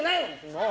もう。